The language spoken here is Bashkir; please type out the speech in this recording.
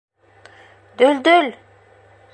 Дөлдөл!